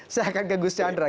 saya akan ke gus chandra